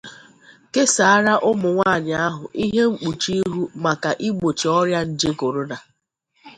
kesàárá ụmụnwaanyị ahụ ihe mkpuchi ihu maka igbochi ọrịa nje korona